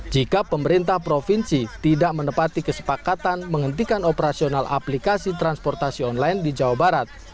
jika pemerintah provinsi tidak menepati kesepakatan menghentikan operasional aplikasi transportasi online di jawa barat